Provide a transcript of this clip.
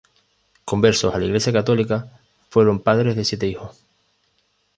Conversos a la Iglesia católica, fueron padres de siete hijos.